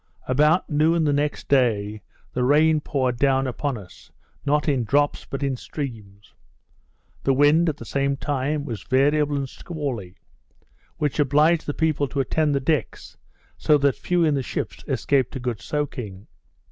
About noon the next day, the rain poured down upon us, not in drops but in streams. The wind, at the same time, was variable and squally, which obliged the people to attend the decks, so that few in the ships escaped a good soaking.